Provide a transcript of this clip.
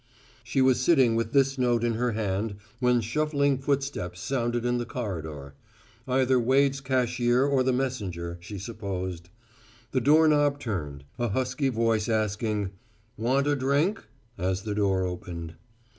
She was sitting with this note in her hand when shuffling footsteps sounded in the corridor; either Wade's cashier or the messenger, she supposed. The door knob turned, a husky voice asking, "Want a drink?" as the door opened.